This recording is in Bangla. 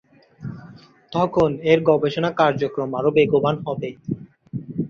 তখন এর গবেষণা কার্যক্রম আরো বেগবান হবে।